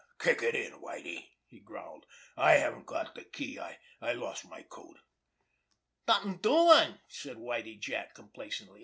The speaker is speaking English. "Kick it in, Whitie!" he growled. "I haven't got the key. I lost my coat." "Nothin' doin'!" said Whitie Jack complacently.